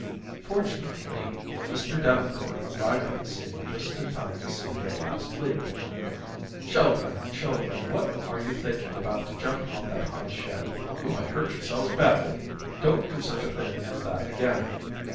Fortunately, Mr. Davenport arrived on the scene just in time to see their last leap. "Children, children, what are you thinking about to jump off that high shed? You might hurt yourselves badly. Don't do such a thing as that again.